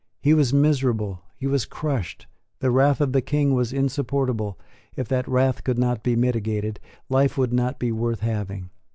He was miserable; he was crushed; the wrath of the King was insupportable; if that wrath could not be mitigated, life would not be worth having.